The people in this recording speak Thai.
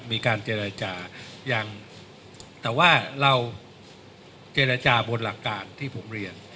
มีการเจรจายังแต่ว่าเราเจรจาบนหลักการที่ผมเรียน